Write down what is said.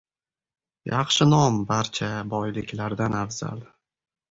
• Yaxshi nom barcha boyliklardan afzal.